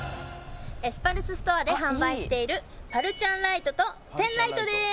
Ｓ−ＰＵＬＳＥＳＴＯＲＥで販売しているパルちゃんライトとペンライトです。